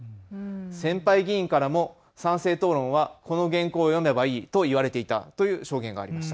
先輩議員からも賛成討論はこの原稿を読めばいいと言われていたという証言がありました。